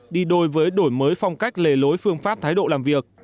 đi đôi với đổi mới phong cách lề lối phương pháp thái độ làm việc